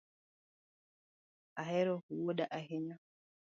Ahero wuoda ahinya?